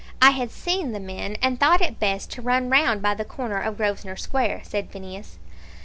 "I had seen the men, and thought it best to run round by the corner of Grosvenor Square," said Phineas.